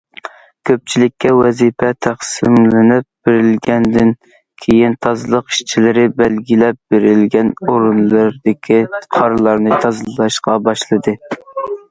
كۆپچىلىككە ۋەزىپە تەقسىملىنىپ بېرىلگەندىن كېيىن، تازىلىق ئىشچىلىرى بەلگىلەپ بېرىلگەن ئورۇنلىرىدىكى قارلارنى تازىلاشقا باشلىدى.